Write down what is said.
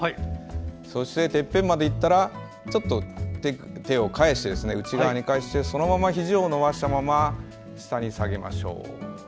そして、てっぺんまでいったらちょっと手を内側にかえしてそのままひじを伸ばしたまま下に下げましょう。